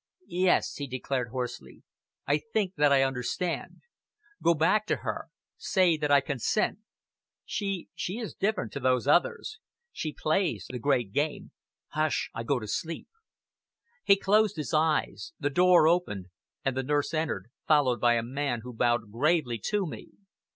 "Yes!" he declared hoarsely, "I think that I understand. Go back to her! Say that I consent. She she is different to those others. She plays the great game! Hush! I go to sleep!" He closed his eyes. The door opened, and the nurse entered, followed by a man who bowed gravely to me.